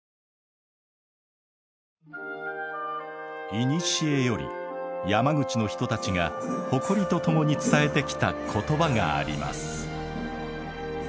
いにしえより山口の人たちが誇りと共に伝えてきた言葉があります。